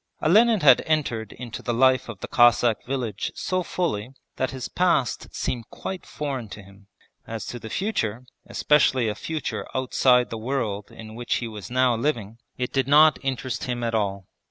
Olenin had entered into the life of the Cossack village so fully that his past seemed quite foreign to him. As to the future, especially a future outside the world in which he was now living, it did not interest him at all.